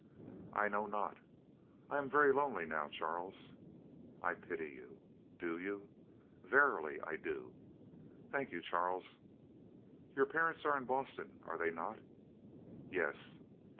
"I know not. I am very lonely now, Charles." "I pity you." "Do you?" "Verily, I do." "Thank you, Charles." "Your parents are in Boston, are they not?" "Yes."